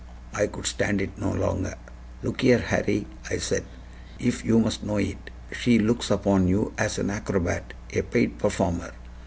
I could stand it no longer. "Look here, Harry," I said, "if you must know it, she looks upon you as an acrobat a paid performer."